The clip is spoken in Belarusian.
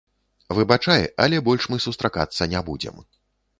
Выбачай, але больш мы сустракацца не будзем.